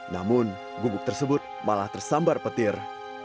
namun gubuk tersebut malah tersambar petir